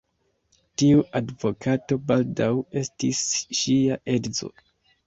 Tiu advokato baldaŭ estis ŝia edzo.